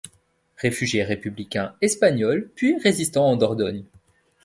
Réfugié Républicain espagnol, puis Résistant en Dordogne.